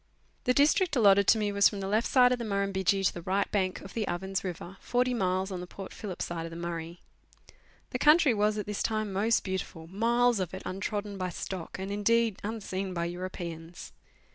The district allotted to me was from the left side of the Mur rtimbidgee to the right bank of the Ovens River, forty miles on the Port Phillip side of the Murray. The country was at this time most beautiful miles of it untrodden by stock, and, indeed, unseen by Europeans.